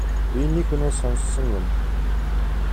Би нэг хүнээс сонссон юм.